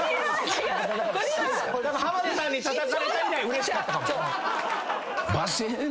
浜田さんにたたかれたぐらいうれしかったかも。